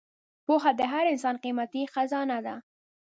پوهه د هر انسان قیمتي خزانه ده.